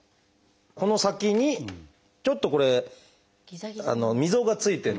この先にちょっとこれ溝が付いてるんですけど。